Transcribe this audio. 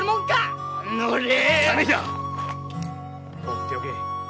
放っておけ。